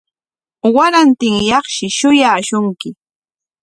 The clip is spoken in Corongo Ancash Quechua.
Warantinyaqshi shuyaashunki.